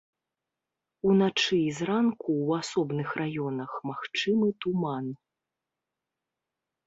Уначы і зранку ў асобных раёнах магчымы туман.